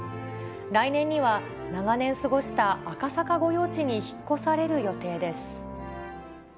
来年には、長年過ごした赤坂御用地に引っ越される予定です。